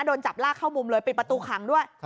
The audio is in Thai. โดนจับลากเข้ามุมเลยปิดประตูขังด้วย